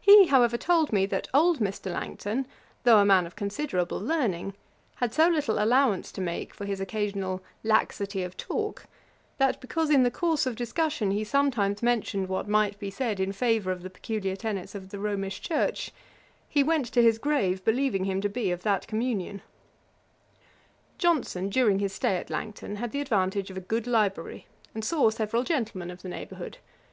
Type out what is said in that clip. He, however, told me, that old Mr. Langton, though a man of considerable learning, had so little allowance to make for his occasional 'laxity of talk,' that because in the course of discussion he sometimes mentioned what might be said in favour of the peculiar tenets of the Romish church, he went to his grave believing him to be of that communion. Johnson, during his stay at Langton, had the advantage of a good library, and saw several gentlemen of the neighbourhood.